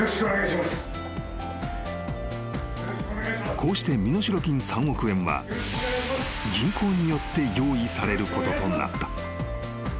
［こうして身代金３億円は銀行によって用意されることとなった］